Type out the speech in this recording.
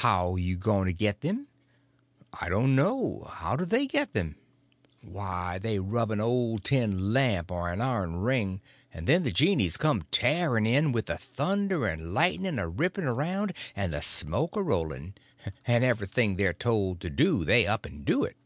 "How you going to get them?" "I don't know. How do they get them?" "Why, they rub an old tin lamp or an iron ring, and then the genies come tearing in, with the thunder and lightning a ripping around and the smoke a rolling, and everything they're told to do they up and do it.